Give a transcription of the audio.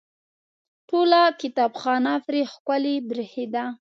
ټوله کتابخانه پرې ښکلې برېښېده.